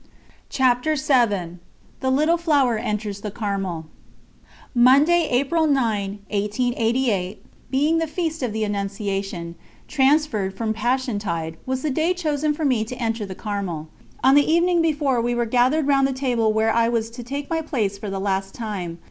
______________________________ CHAPTER VII THE LITTLE FLOWER ENTERS THE CARMEL Monday, April 9, 1888, being the Feast of the Annunciation, transferred from Passiontide, was the day chosen for me to enter the Carmel. On the evening before, we were gathered around the table where I was to take my place for the last time.